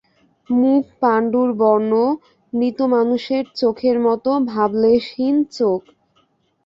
মুখ পাণ্ডুর বর্ণ, মৃত মানুষের চোখের মতো ভাবলেশহীন চোখ।